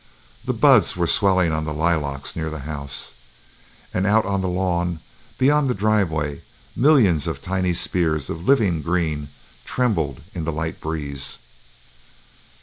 The buds were swelling on the lilacs near the house, and out on the lawn, beyond the driveway, millions of tiny spears of living green trembled in the light breeze.